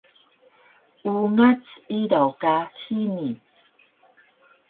Ungac idaw ka hini